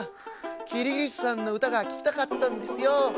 キリギリスさんのうたがききたかったんですよ。